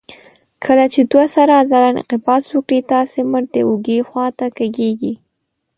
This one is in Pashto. کله چې دوه سره عضله انقباض وکړي تاسې مټ د اوږې خواته کږېږي.